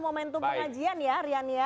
momentum pengajian ya rian